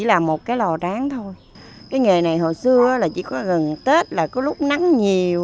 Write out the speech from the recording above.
làm tranh giấy xóng này